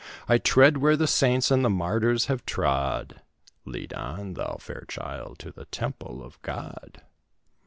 I tread where the saints and the martyrs have trod Lead on, thou fair child, to the temple of God!"